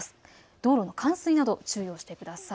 道路の冠水などに注意してください。